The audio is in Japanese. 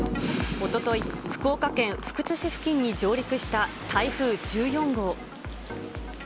おととい、福岡県福津市付近に上陸した台風１４号。